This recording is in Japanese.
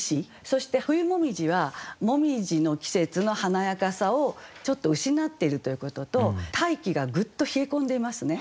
そして「冬紅葉」は紅葉の季節の華やかさをちょっと失っているということと大気がグッと冷え込んでいますね。